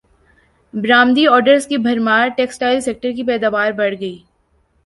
برامدی orders کی بھرمار textile سیکٹرکی پیداوار بڑھ گئی